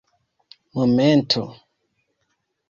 momento